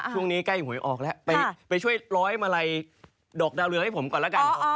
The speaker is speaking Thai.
ช่วงนี้ใกล้อยู่หวยออกแล้วไปช่วยร้อยมาลัยดอกดาวเรืองให้ผมก่อนละกัน